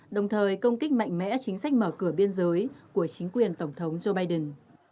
đồng thời công kích mạnh mẽ chính sách mở cửa biên giới của chính quyền tổng thống joe biden